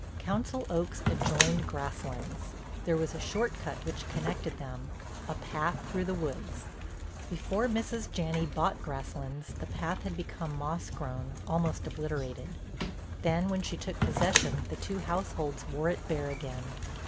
Council Oaks adjoined Grasslands, there was a short cut which connected them—a path through the woods. Before Mrs. Janney bought Grasslands the path had become moss grown, almost obliterated. Then when she took possession the two households wore it bare again.